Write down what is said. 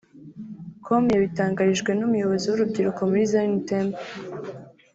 com yabitangarijwe n’umuyobozi w’urubyiruko muri Zion Temple